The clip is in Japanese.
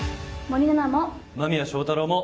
間宮祥太朗も。